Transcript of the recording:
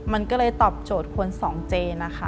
มันก็เลยตอบโจทย์ควรส่องเจน